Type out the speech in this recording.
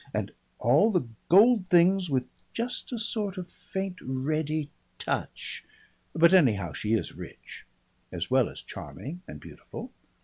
And all the gold things with just a sort of faint reddy touch.... But anyhow, she is rich, as well as charming and beautiful.